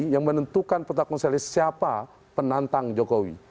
yang menentukan peta konselisi siapa penantang jokowi